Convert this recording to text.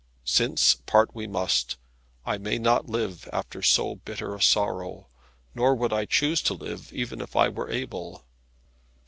Since part we must, I may not live after so bitter a sorrow; nor would I choose to live, even if I were able.